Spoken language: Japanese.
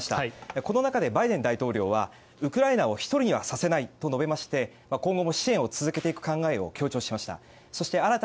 この中でバイデン大統領はウクライナを１人にはさせないと述べまして今後も支援を続けていく考えを強調しました。